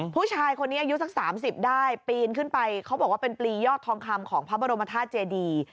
ผู้ชายคนนี้อายุสัก๓๐ได้ปีนขึ้นไปเขาบอกว่าเป็นปลียอดทองคำของพระบรมธาตุเจดี